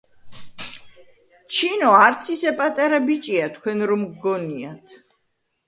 ჩინო არც ისე პატარა ბიჭია, თქვენ რომ გგონიათ.